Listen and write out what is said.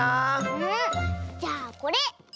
じゃあこれ。